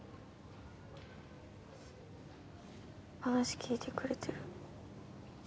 話聞いてくれてる。